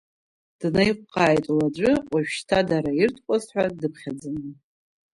Днаиқәҟааит руаӡәы, уажәшьҭа дара иртҟәаз ҳәа дыԥхьаӡаны.